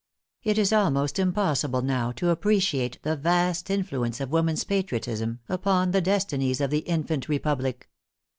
It is almost impossible now to appreciate the vast influence of woman's patriotism upon the destinies of the infant republic.